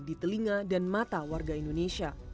di telinga dan mata warga indonesia